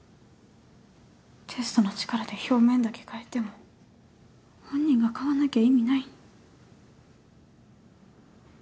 テストの力で表面だけ変えても本人が変わんなきゃ意味ない。